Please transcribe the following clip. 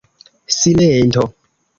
Silento.